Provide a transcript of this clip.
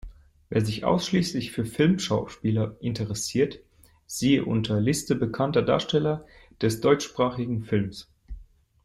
Wer sich ausschließlich für Filmschauspieler interessiert: siehe unter "Liste bekannter Darsteller des deutschsprachigen Films.